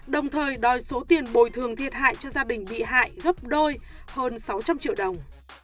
đồng thời đòi số tiền bồi thường thiệt hại cho gia đình bị hại gấp đôi hơn sáu trăm linh triệu đồng